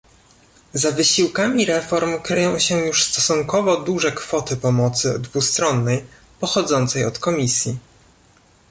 Za wysiłkami reform kryją się już stosunkowo duże kwoty pomocy dwustronnej pochodzącej od Komisji